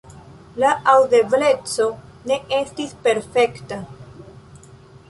La aŭdebleco ne estis perfekta.